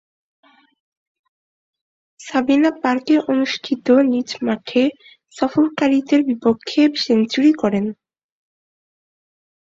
সাবিনা পার্কে অনুষ্ঠিত নিজ মাঠে সফরকারীদের বিপক্ষে সেঞ্চুরি করেন।